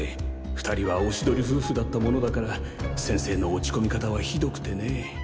２人はおしどり夫婦だったものだから先生の落ち込み方はひどくてね。